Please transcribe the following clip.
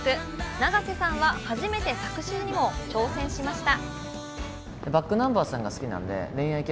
永瀬さんは初めて作詞にも挑戦しました。